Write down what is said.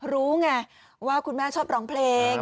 รู้ไงว่าคุณแม่ชอบร้องเพลง